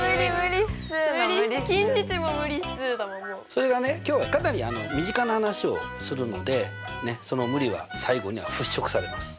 それがね今日はかなり身近な話をするのでその無理は最後には払拭されます。